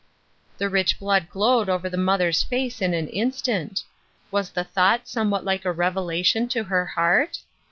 " The rich blood glowed over the mother's face in an instant. Was the thought somewhat like a revelation to her heart